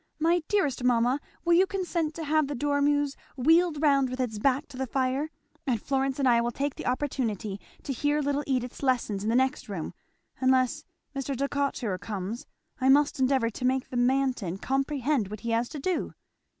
My dearest mamma, will you consent to have the dormeuse wheeled round with its back to the fire? and Florence and I will take the opportunity to hear little Edith's lessons in the next room unless Mr Decatur comes. I must endeavour to make the Manton comprehend what he has to do."